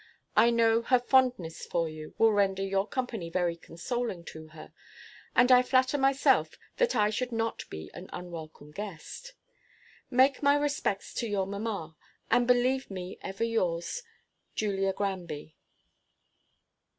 I know her fondness for you will render your company very consoling to her; and I flatter myself that I should not be an unwelcome guest. Make my respects to your mamma, and believe me ever yours, JULIA GRANBY.